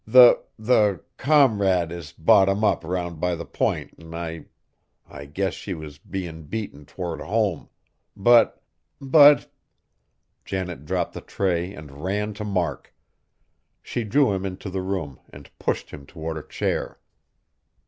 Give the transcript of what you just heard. The the Comrade is bottom up round by the P'int an' I I guess she was bein' beaten toward home; but but " Janet dropped the tray and ran to Mark; she drew him into the room and pushed him toward a chair.